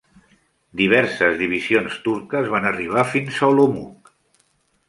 Diverses divisions turques van arribar fins a Olomouc.